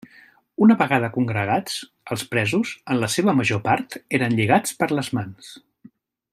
Una vegada congregats, els presos, en la seva major part, eren lligats per les mans.